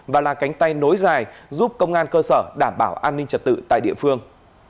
và là cánh tay nối dài giúp công an cơ sở đảm bảo an ninh trật tự tại địa phương